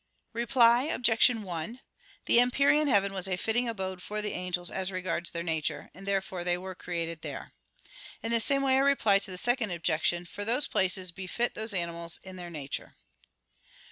Reply Obj. 1: The empyrean heaven was a fitting abode for the angels as regards their nature, and therefore they were created there. In the same way I reply to the second objection, for those places befit those animals in their nature.